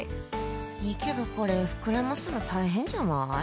いいけど、これ膨らますの大変じゃない？